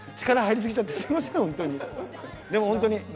力入り過ぎちゃって、すみません、本当に。